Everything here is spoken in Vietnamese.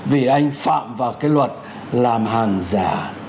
vì anh phạm vào cái luật làm hàng giả